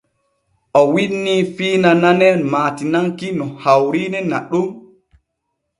MO wiinnii fiina nane maatinaki no hawriine naɗon.